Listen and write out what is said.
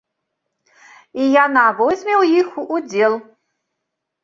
І яна возьме ў іх удзел.